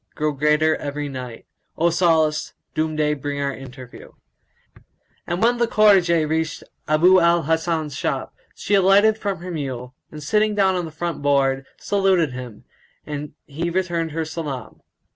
grow greater every night: * O solace! Doom day bring our interview." And when the cortčge reached Abu al Hasan's shop, she alighted from her mule, and sitting down on the front board,[FN#176] saluted him, and he returned her salam.